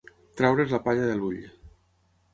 Traure's la palla de l'ull.